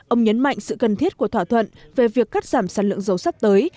ông nhấn mạnh sự cần thiết của thỏa thuận về việc cắt giảm sản lượng dầu sắp tới